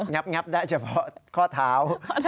งับได้เฉพาะข้อเท้า